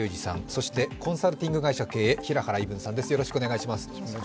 そしてコンサルティング会社経営平原依文さんです。